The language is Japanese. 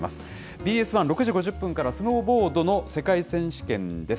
ＢＳ１、６時５０分からスノーボードの世界選手権です。